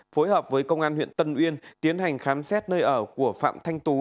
phối hợp với công an huyện tân uyên tiến hành khám xét nơi ở của phạm thanh tú